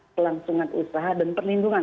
kelangsungan usaha dan perlindungan